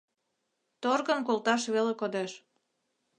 Торгын колташ веле кодеш.